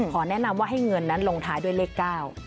แนะนำว่าให้เงินนั้นลงท้ายด้วยเลข๙